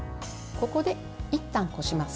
ここで、いったんこします。